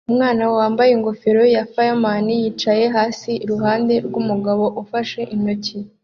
Umwana wambaye ingofero ya fireman yicaye hasi iruhande rwumugabo ufashe intoki